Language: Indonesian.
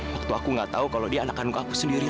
waktu aku gak tau kalau dia anak kandung aku sendiri